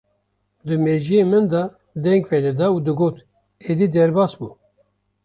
di mêjiyê min de deng vedida û digot: Êdî derbas bû!